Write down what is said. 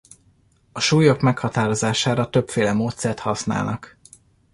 A súlyok meghatározására többféle módszert használnak.